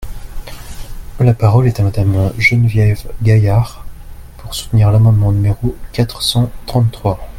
La parole est à Madame Geneviève Gaillard, pour soutenir l’amendement numéro quatre cent trente-trois.